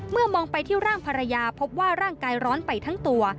มองไปที่ร่างภรรยาพบว่าร่างกายร้อนไปทั้งตัว